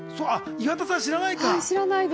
岩田さん、知らないか？